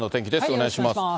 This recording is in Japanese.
お願いします。